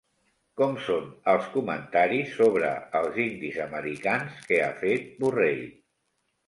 Com són els comentaris sobre els indis americans que ha fet Borrell?